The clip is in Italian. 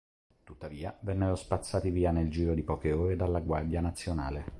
Tuttavia, vennero spazzati via nel giro di poche ore dalla Guardia Nazionale.